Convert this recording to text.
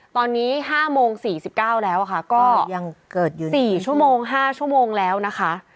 ตอนนี้๕โมง๔๙แล้วค่ะก็ยังเกิดอยู่๔ชั่วโมง๕ชั่วโมงแล้วนะคะ